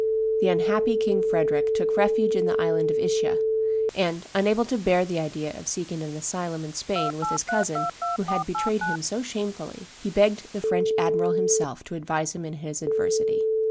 The unhappy King Frederick took refuge in the island of Ischia; and, unable to bear the idea of seeking an asylum in Spain with his cousin who had betrayed him so shamefully, he begged the French admiral himself to advise him in his adversity.